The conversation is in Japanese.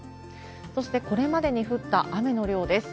そしてこれまでに降った雨の量です。